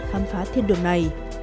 khám phá thiên đường này